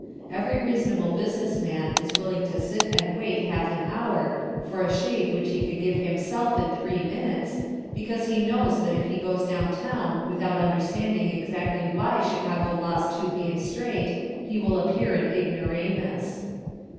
Every reasonable business man is willing to sit and wait half an hour for a shave which he could give himself in three minutes, because he knows that if he goes down town without understanding exactly why Chicago lost two games straight he will appear an ignoramus.